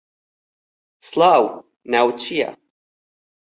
سڵاو، ناوت چییە؟